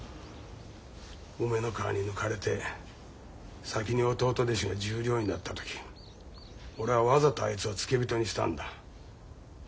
梅ノ川に抜かれて先に弟弟子が十両になった時俺はわざとあいつを付け人にしたんだ。